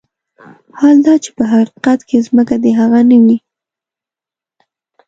حال دا چې په حقيقت کې ځمکه د هغه نه وي.